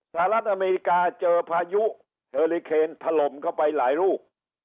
สหรัฐอเมริกาเจอพายุเฮอลิเคนถล่มเข้าไปหลายลูก